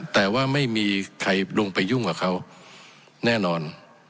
แต่ว่าไม่มีใครลงไปยุ่งกับเขาแน่นอน